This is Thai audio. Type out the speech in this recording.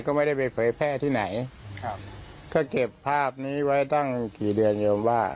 ก็ไม่ได้ไปเผยแพร่ที่ไหนครับก็เก็บภาพนี้ไว้ตั้งกี่เดือนโยมว่า